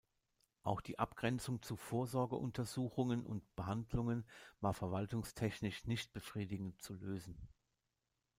Auch die Abgrenzung zu Vorsorgeuntersuchungen und Behandlungen war verwaltungstechnisch nicht befriedigend zu lösen.